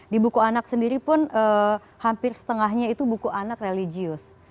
di buku anak sendiri pun hampir setengahnya itu buku anak religius